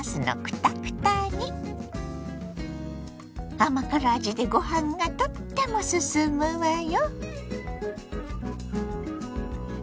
甘辛味でご飯がとってもすすむわよ。